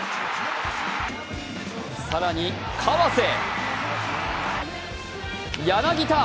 更に、川瀬、柳田。